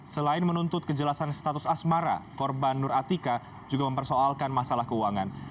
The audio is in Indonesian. selain menuntut kejelasan status asmara korban nur atika juga mempersoalkan masalah keuangan